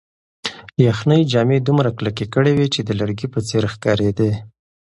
یخنۍ جامې دومره کلکې کړې وې چې د لرګي په څېر ښکارېدې.